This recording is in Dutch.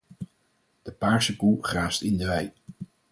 De paarse koe graast in de wei.